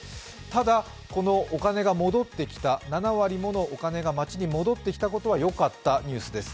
ただ、お金が戻ってきた、７割ものお金が町に戻ってきたことは良かったニュースです。